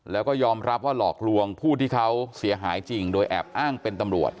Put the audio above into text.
แล้วก็ยอมรับว่าหลอกลวงผู้ที่เขาเสียหายจริงโดยแอบอ้างเป็นตำรวจ